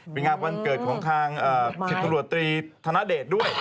ที่จะมีกันทั้งศิษย์ตรวจตีธนเดชนั่นด้วย